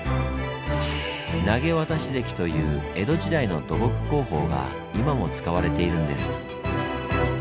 「投渡堰」という江戸時代の土木工法が今も使われているんです。